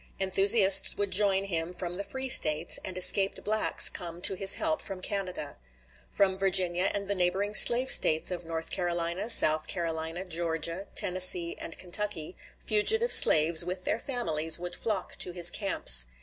Enthusiasts would join him from the free States, and escaped blacks come to his help from Canada. From Virginia and the neighboring slave States of North Carolina, South Carolina, Georgia, Tennessee, and Kentucky, fugitive slaves, with their families, would flock to his camps.